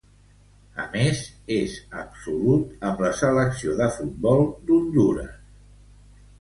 A més, és absolut amb la Selecció de futbol d'Hondures.